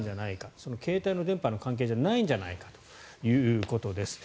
その携帯の電波の関係じゃないんじゃないかということです。